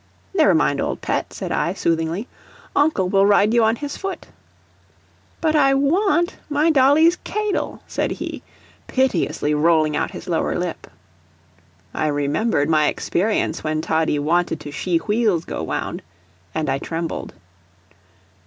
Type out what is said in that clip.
"Never mind, old pet," said I, soothingly. "Uncle will ride you on his foot." "But I WANT my dolly's k'adle," said he, piteously rolling out his lower lip. I remembered my experience when Toddie wanted to "shee wheels go wound," and I trembled.